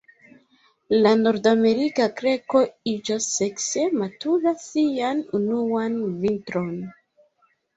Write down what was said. La Nordamerika kreko iĝas sekse matura sian unuan vintron.